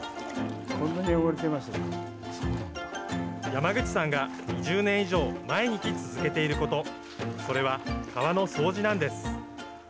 山口さんが２０年以上、毎日続けていること、それは、川の掃除なんです。